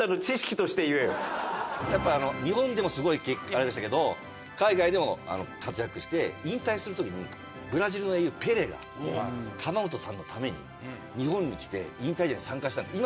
やっぱ日本でもすごいあれでしたけど海外でも活躍して引退する時にブラジルの英雄ペレが釜本さんのために日本に来て引退試合に参加したんですよ。